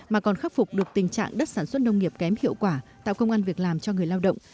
mà còn khắc phục được tình trạng đất sản xuất nông nghiệp kém hiệu quả tạo công an việc làm cho người lao động